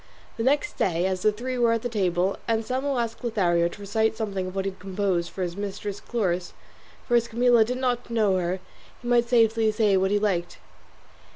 The next day as the three were at table Anselmo asked Lothario to recite something of what he had composed for his mistress Chloris; for as Camilla did not know her, he might safely say what he liked.